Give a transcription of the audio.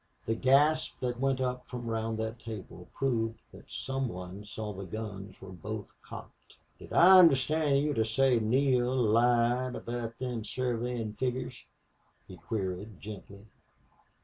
The gasp that went up from round that table proved that some one saw the guns were both cocked. "Did I understand you to say Neale lied aboot them surveyin' figgers?" he queried, gently.